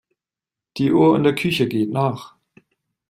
Die Uhr in der Küche geht nach.